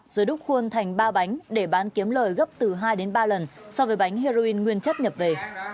rồi đúc khuôn thành ba bánh để bán kiếm lời gấp từ hai đến ba lần so với bánh heroin nguyên chất nhập về